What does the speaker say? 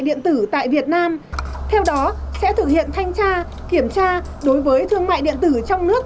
điện tử tại việt nam theo đó sẽ thực hiện thanh tra kiểm tra đối với thương mại điện tử trong nước